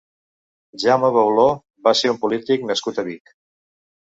Jaume Beuló va ser un polític nascut a Vic.